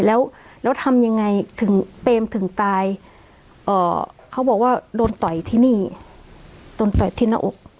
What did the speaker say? แล้วแล้วทำยังไงถึงเปรมถึงตายเขาบอกว่าโดนต่อยที่นี่โดนต่อยที่หน้าอก